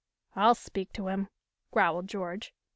"I'll speak to him," growled George.